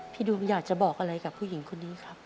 ดูอยากจะบอกอะไรกับผู้หญิงคนนี้ครับ